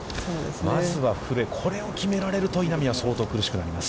まずは、古江、これを決められると稲見は相当苦しくなります。